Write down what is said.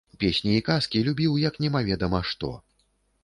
Песні і казкі любіў, як немаведама што.